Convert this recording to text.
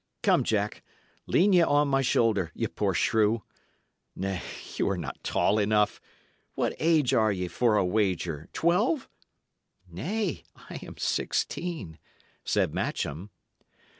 Come, Jack, lean ye on my shoulder, ye poor shrew. Nay, y' are not tall enough. What age are ye, for a wager? twelve?" "Nay, I am sixteen," said Matcham.